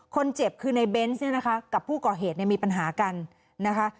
คนเจ็บคือในเบนส์เนี่ยนะคะกับผู้ก่อเหตุเนี่ยมีปัญหากันนะคะ